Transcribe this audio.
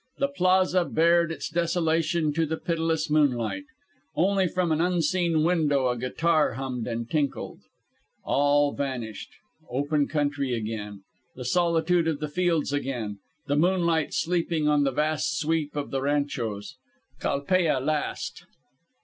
The plaza bared its desolation to the pitiless moonlight. Only from an unseen window a guitar hummed and tinkled. All vanished. Open country again. The solitude of the fields again; the moonlight sleeping on the vast sweep of the ranchos. Calpella past.